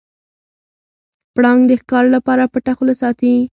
پړانګ د ښکار لپاره پټه خوله ساتي.